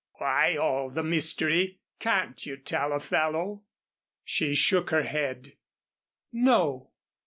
Why all the mystery? Can't you tell a fellow?" She shook her head. "No."